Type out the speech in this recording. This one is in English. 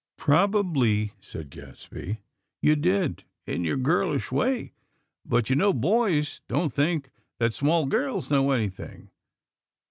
"Probably," said Gadsby, "you did, in your girlish way; but you know boys don't think that small girls know anything.